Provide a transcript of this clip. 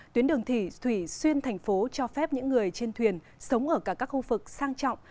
tuyến đường thủy xuyên thành phố cho phép những người trên thuyền sống ở cả các khu vực sang trọng